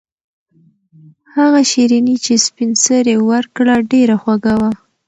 هغه شیرني چې سپین سرې ورکړه ډېره خوږه وه.